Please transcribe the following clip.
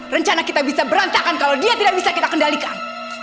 rencana kita bisa berantakan kalau dia tidak bisa kita kendalikan